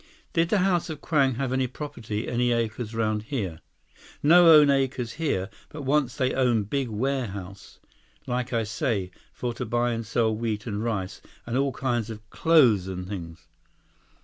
"Did the House of Kwang have any property, any acres around here?" "No own acres here. But once they own big warehouse, like I say, for to buy and sell wheat and rice and all kinds clothes and things."